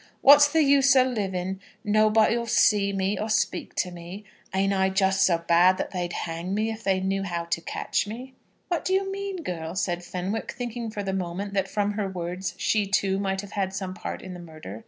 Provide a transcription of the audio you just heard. "What's the use o' living? Nobody 'll see me, or speak to me. Ain't I just so bad that they'd hang me if they knew how to catch me?" "What do you mean, girl?" said Fenwick, thinking for the moment that from her words she, too, might have had some part in the murder.